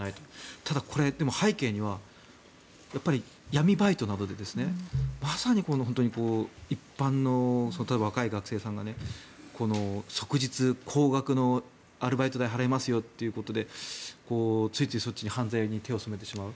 ただ、これ、背景には闇バイトなどでまさに一般の例えば、若い学生さんが即日、高額のアルバイト代払いますよということでついついそっちに、犯罪に手を染めてしまう。